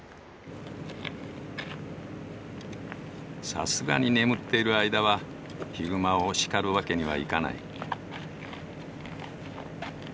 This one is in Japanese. さすがに眠っている間はヒグマを叱るわけにはいかない。